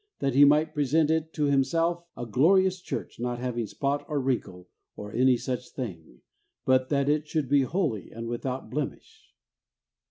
. that He might present it to Himself a glorious church, not having spot, or wrinkle, or any such thing, but that it should be holy, and without blemish.